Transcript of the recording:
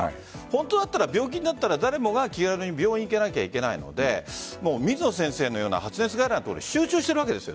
本当だった病気になったら誰もが気軽に病院に行かなければいけないので水野先生のような発熱外来が集中しているわけです。